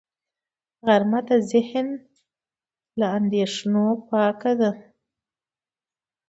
غرمه د ذهن له اندېښنو پاکي ده